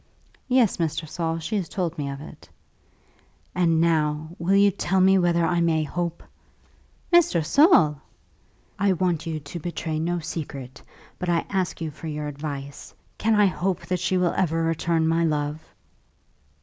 "Yes, Mr. Saul; she has told me of it." "And now, will you tell me whether I may hope." "Mr. Saul!" "I want you to betray no secret, but I ask you for your advice. Can I hope that she will ever return my love?"